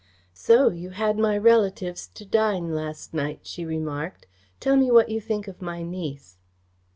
"So you had my relatives to dine last night," she remarked. "Tell me what you think of my niece."